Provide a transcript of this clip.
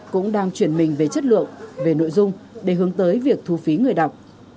cũng đang chuyển mình về chất lượng về nội dung để hướng tới việc thu phí người đọc